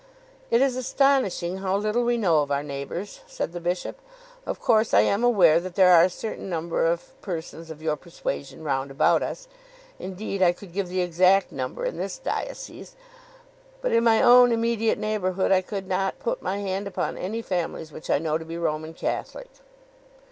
"It is astonishing how little we know of our neighbours," said the bishop. "Of course I am aware that there are a certain number of persons of your persuasion round about us. Indeed, I could give the exact number in this diocese. But in my own immediate neighbourhood I could not put my hand upon any families which I know to be Roman Catholic."